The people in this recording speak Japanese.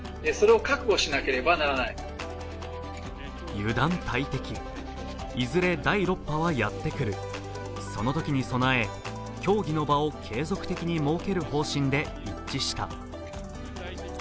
油断大敵、いずれ第６波はやって来る、そのときに備え、協議の場を継続的に設ける方針で一致した。